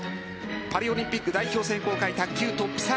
パリオリンピック代表選考会卓球ＴＯＰ３２。